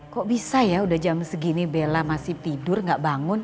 kok bisa ya udah jam segini bella masih tidur gak bangun